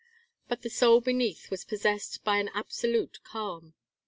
But the soul beneath was possessed by an absolute calm.